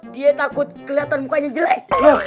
dia takut kelihatan mukanya jelek